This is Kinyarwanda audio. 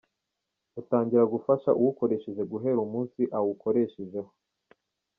Utangira gufasha uwukoresheje guhera umunsi awukoresheje ho.